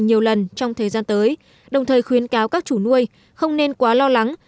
nhiều lần trong thời gian tới đồng thời khuyến cáo các chủ nuôi không nên quá lo lắng